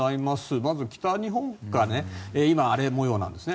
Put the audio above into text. まず北日本が今、荒れ模様なんですね。